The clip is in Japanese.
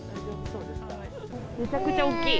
めちゃくちゃ大きい。